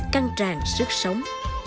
căng tràn sức sống